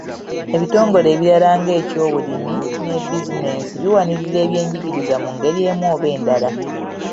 Ebitongole ebirala nga eky'ebyobulimi ne bizinensi biwanirira ebyenjigiriza mu ngeri emu oba endala.